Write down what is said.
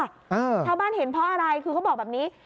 ชาวบ้านเห็นเพราะอะไรคือเขาบอกแบบนี้